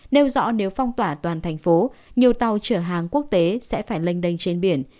nêu rõ nếu phong tỏa toàn thành phố nhiều tàu chở hàng quốc tế sẽ phải lênh đênh trên biển